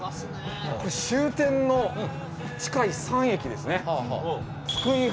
終点の近い３駅ですね。